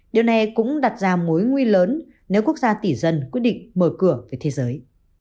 điều này cũng đặt ra mối nguy lớn nếu quốc gia tỷ dân quyết định mở cửa với thế giới